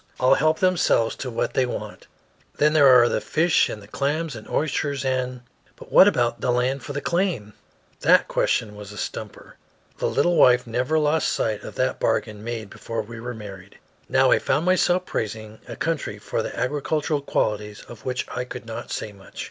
All help themselves to what they want. Then there are the fish and the clams and oysters, and " "But what about the land for the claim?" That question was a stumper. The little wife never lost sight of that bargain made before we were married. Now I found myself praising a country for the agricultural qualities of which I could not say much.